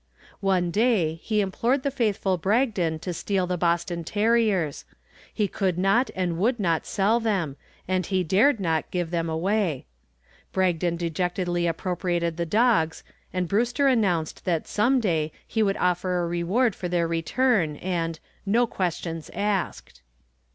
One day he implored the faithful Bragdon to steal the Boston terriers. He could not and would not sell them and he dared not give them away. Bragdon dejectedly appropriated the dogs and Brewster announced that some day he would offer a reward for their return and "no questions asked."